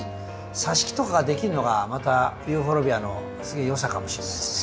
さし木とかができるのがまたユーフォルビアのよさかもしれないですね。